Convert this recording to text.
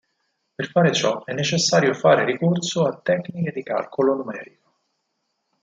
Par fare ciò è necessario fare ricorso a tecniche di calcolo numerico.